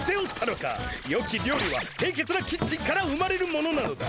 よき料理はせいけつなキッチンから生まれるものなのだ。